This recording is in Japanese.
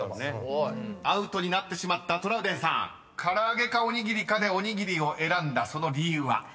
［アウトになってしまったトラウデンさん「からあげ」か「おにぎり」かで「おにぎり」を選んだその理由は？］